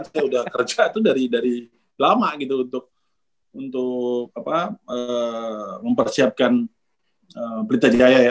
saya udah kerja itu dari lama gitu untuk mempersiapkan pelita jaya ya